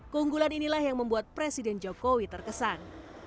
keunggulan inilah yang membuat presiden jokowi terkesan